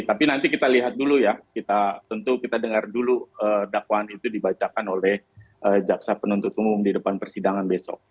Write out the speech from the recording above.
tapi nanti kita lihat dulu ya tentu kita dengar dulu dakwaan itu dibacakan oleh jaksa penuntut umum di depan persidangan besok